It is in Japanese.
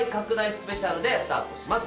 スペシャルでスタートします。